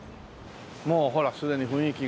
もうほらすでに雰囲気が。